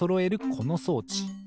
この装置。